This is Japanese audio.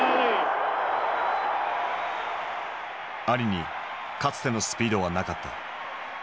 アリにかつてのスピードはなかった。